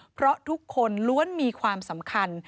เพราะทุกคนล้วนมีความสำคัญ